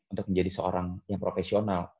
untuk menjadi seorang yang profesional